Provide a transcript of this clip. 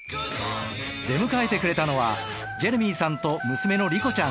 出迎えてくれたのはジェレミーさんと娘のリコちゃん